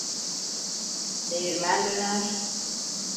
Değirmen döner…